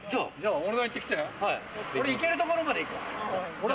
俺、行けるところまで行くわ。